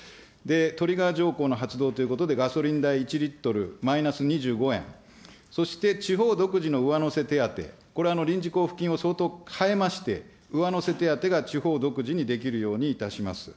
トリガー条項の発動ということで、ガソリン代１リットルマイナス２５円、そして地方独自の上乗せ手当、これ、臨時交付金を相当変えまして、上乗せ手当が地方独自にできるようにいたします。